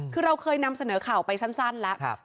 คือเราเคยนำเสนอข่าวไปสั้นสั้นแล้วครับ